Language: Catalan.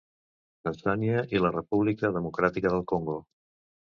Tanzània i la República Democràtica del Congo.